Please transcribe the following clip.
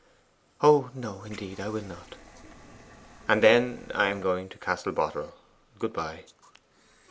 'Oh no; indeed, I will not.' 'And then I am going to Castle Boterel. Good bye.